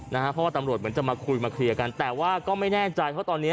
เพราะว่าตำรวจเหมือนจะมาคุยมาเคลียร์กันแต่ว่าก็ไม่แน่ใจเพราะตอนนี้